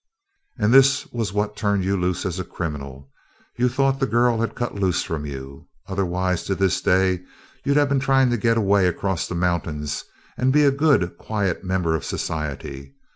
"And this was what turned you loose as a criminal you thought the girl had cut loose from you. Otherwise to this day you'd have been trying to get away across the mountains and be a good, quiet member of society.